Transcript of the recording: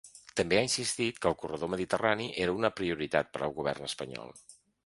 També ha insistit que el corredor mediterrani era una prioritat per al govern espanyol.